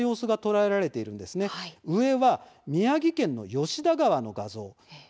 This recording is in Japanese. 上は宮城県の吉田川の画像です。